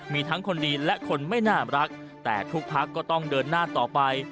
มีทั้งคนดีและคนไม่น่ารักแต่ทุกพักก็ต้องเดินหน้าต่อไป